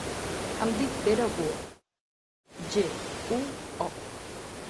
Em dic Vera Guo: ge, u, o.